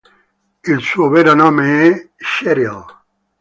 Il suo vero nome è Cheryl.